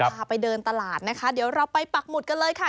พาไปเดินตลาดนะคะเดี๋ยวเราไปปักหมุดกันเลยค่ะ